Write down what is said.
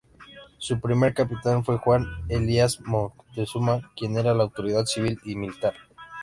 Su primer capitán fue Juan Elías Moctezuma, quien era la autoridad civil y militar.